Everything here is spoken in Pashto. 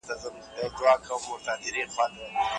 څنګه کولی شو د خوب کیفیت لوړ کړو؟